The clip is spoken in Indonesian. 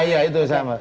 ya itu sama